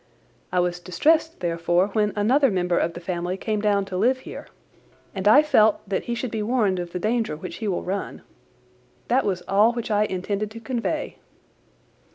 I was distressed therefore when another member of the family came down to live here, and I felt that he should be warned of the danger which he will run. That was all which I intended to convey.